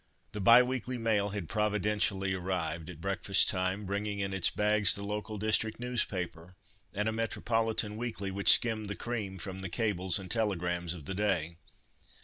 The bi weekly mail had providentially arrived at breakfast time, bringing in its bags the local district newspaper, and a metropolitan weekly which skimmed the cream from the cables and telegrams of the day.